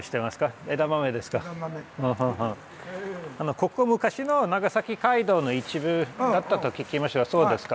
ここ昔の長崎街道の一部だったと聞きましたがそうですか？